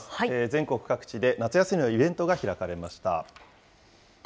全国各地で夏休みのイベントが開かれました。